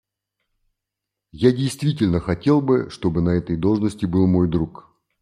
Я действительно хотел бы, чтобы на этой должности был мой друг.